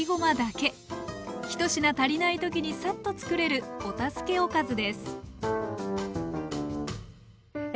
１品足りないときにさっと作れるお助けおかずですえ